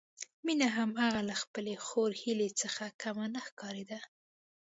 مينه هم هغه له خپلې خور هيلې څخه کمه نه ښکارېده